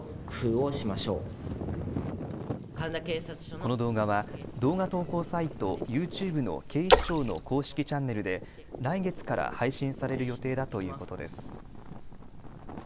この動画は動画投稿サイト、ユーチューブの警視庁の公式チャンネルで来月から配信される予定だということです。